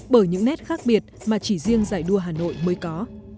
bởi những nét khác biệt mà chỉ riêng giải đua hà nội mới có